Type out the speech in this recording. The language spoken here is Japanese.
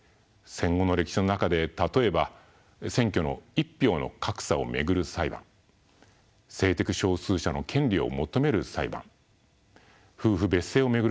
戦後の歴史の中で例えば選挙の一票の格差を巡る裁判性的少数者の権利を求める裁判夫婦別姓を巡る